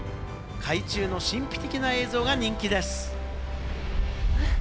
海中の神秘的な映像が人気です。